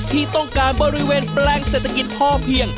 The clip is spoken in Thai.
ที่ต้องการบริเวณแปลงเศรษฐกิจพอเพียง